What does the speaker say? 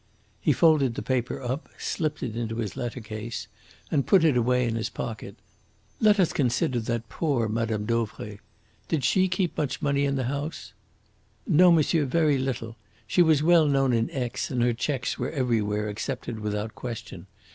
He folded the paper up, slipped it into his letter case, and put it away in his pocket. "Let us consider that poor Madame Dauvray! Did she keep much money in the house?" "No, monsieur; very little. She was well known in Aix and her cheques were everywhere accepted without question.